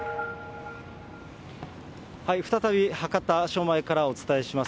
再び博多署前からお伝えします。